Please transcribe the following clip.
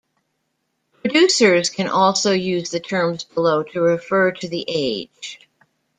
Producers can also use the terms below to refer to the age.